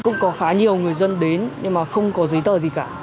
cũng có khá nhiều người dân đến nhưng mà không có giấy tờ gì cả